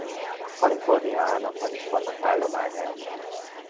Kalifornia államban is vannak állományaik.